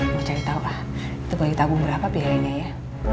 mau cari tau lah itu bayu tanggung berapa biarinya ya